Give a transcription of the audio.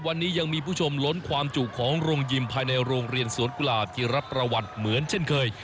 วันนี้ยังมีผู้ชมล้นความจุของโรงยิมภายในโรงเรียนสวนกุหลาบที่รับประวัติเหมือนเช่นเคย